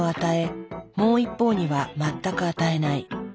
もう一方には全く与えない。